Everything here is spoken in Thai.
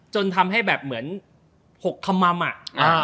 จนทำให้แบบเหมือน๖คำม่ำอะ